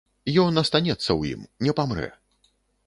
Ён астанецца ў ім, не памрэ.